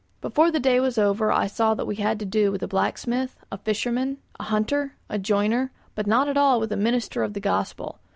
Before the day was over I saw that we had to do with a blacksmith, a fisherman, a hunter, a joiner, but not at all with a minister of the Gospel.